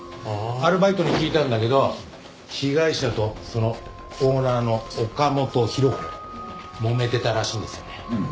アルバイトに聞いたんだけど被害者とそのオーナーの岡本博子もめてたらしいんですよね。